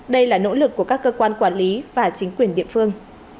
đây là nỗ lực của các cơ quan quản lý và chính quyền địa phương